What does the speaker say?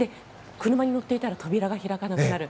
車に乗っていたら扉が開かなくなる。